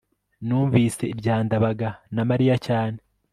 numvise ibya ndabaga na mariya cyane